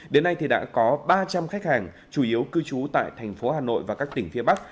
đến nay thì đã có ba trăm linh khách hàng chủ yếu cư trú tại thành phố hà nội và các tỉnh phía bắc